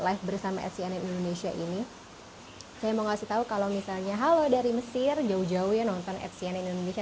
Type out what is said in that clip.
indonesia ini saya mau ngasih tahu kalau misalnya halo dari mesir jauh jauh nonton at cnn indonesia